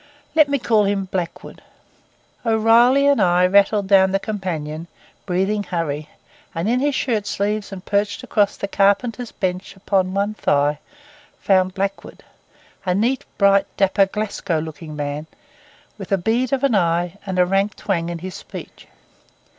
Let me call him Blackwood. O'Reilly and I rattled down the companion, breathing hurry; and in his shirt sleeves and perched across the carpenters bench upon one thigh, found Blackwood; a neat, bright, dapper, Glasgow looking man, with a bead of an eye and a rank twang in his speech.